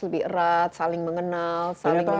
lebih erat saling mengenal saling mengenal